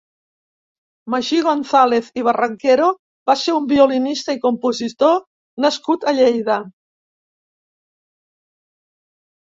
Magí González i Barranquero va ser un violinista i compositor nascut a Lleida.